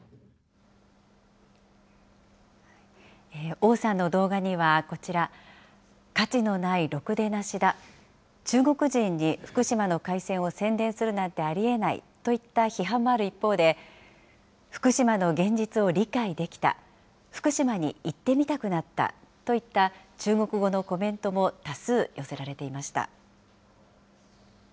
王さんの動画には、こちら、価値のないろくでなしだ、中国人に福島の海鮮を宣伝するなんてありえないといった批判もある一方で、福島の現実を理解できた、福島に行ってみたくなったといった中国語のコメントも多数寄せられていました。